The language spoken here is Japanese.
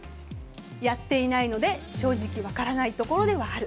やっていないので正直分からないところではある。